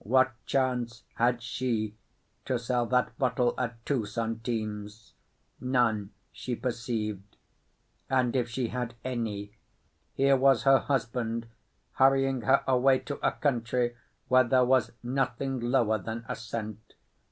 What chance had she to sell that bottle at two centimes? None, she perceived. And if she had any, here was her husband hurrying her away to a country where there was nothing lower than a cent.